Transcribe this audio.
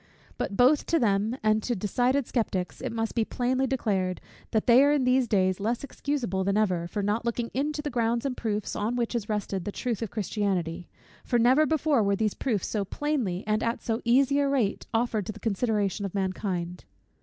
But both to them and to decided sceptics it must be plainly declared, that they are in these days less excusable than ever, for not looking into the grounds and proofs on which is rested the truth of Christianity; for never before were these proofs so plainly, and at so easy a rate, offered to the consideration of mankind.